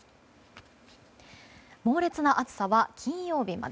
猛烈な暑さは金曜日まで。